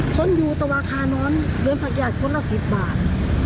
ทนอยู่ตะวะคาน้อนเงินผักญาติคนละ๑๐บาท